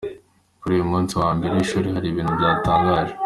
kuri uwo munsi wa mbere w’ishuli hari ibintu byantangaje.